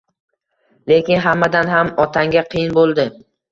Lekin hammadan ham otangga qiyin bo`ldi